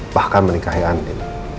bahkan menikahi andi